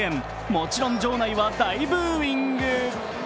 もちろん場内は大ブーイング。